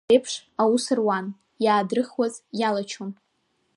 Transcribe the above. Ақыҭа уаа реиԥш, аус руан, иаадрыхуаз иалачон.